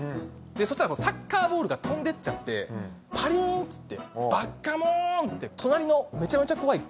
そしたらサッカーボールが飛んでっちゃってパリーンっつって「ばっかもん！！」って隣のめちゃめちゃ怖いガミガミさん